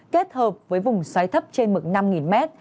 kết hợp với vùng xoáy thấp trên mực năm m